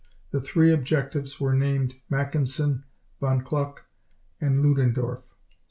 The three objectives were named Mackensen, Von Kluck, and Ludendorff.